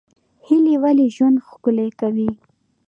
هیلې ولې ژوند ښکلی کوي؟